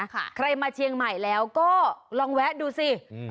ใครมาเชียงใหม่แล้วก็ลองแวะดูสิอืม